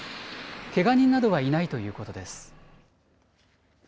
けが人などはいないということです。